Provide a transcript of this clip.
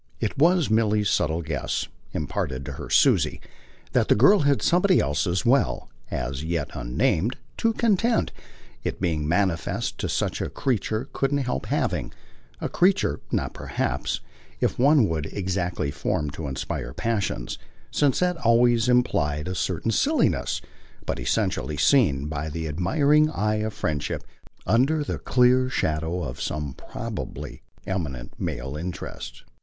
It was Milly's subtle guess, imparted to her Susie, that the girl had somebody else as well, as yet unnamed, to content it being manifest that such a creature couldn't help having; a creature not perhaps, if one would, exactly formed to inspire passions, since that always implied a certain silliness, but essentially seen, by the admiring eye of friendship, under the clear shadow of some probably eminent male interest.